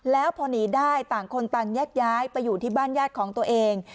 แล้วพอหนีได้ต่างคนต่างแยกย้ายไปอยู่ที่บ้านญาติของตัวเอง